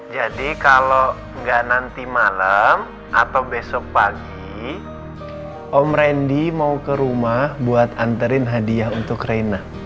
jadi kalau nggak nanti malam atau besok pagi om randy mau ke rumah buat anterin hadiah untuk reina